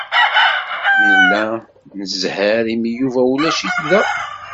Nla zzheṛ imi Yuba ulac-it da.